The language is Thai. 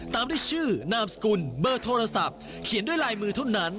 ตามด้วยชื่อนามสกุลเบอร์โทรศัพท์เขียนด้วยลายมือเท่านั้น